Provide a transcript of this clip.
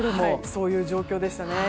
そういう状況でしたね。